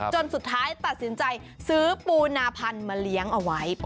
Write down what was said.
จนสุดท้ายตัดสินใจซื้อปูนาพันธุ์มาเลี้ยงเอาไว้